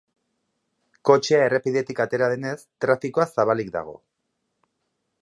Kotxea errepidetik atera denez, trafikoa zabalik dago.